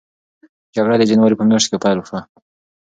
جګړه د جنورۍ په میاشت کې پیل شوه.